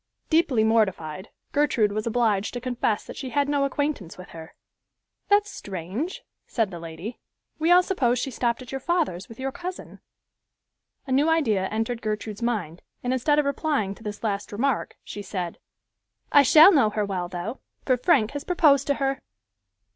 Deeply mortified Gertrude was obliged to confess that she had no acquaintance with her. "That's strange," said the lady. "We all supposed she stopped at your father's with your cousin." A new idea entered Gertrude's mind, and instead of replying to this last remark, she said, "I shall know her well, though, for Frank has proposed to her."